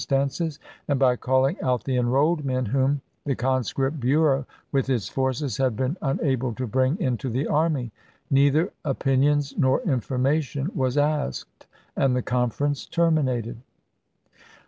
stances, and by calling out the enrolled men whom joimston, the conscript bureau with its forces had been un tiveof able to bring into the army. .. Neither opinions opera nor information was asked, and the conference pp ^ex terminated."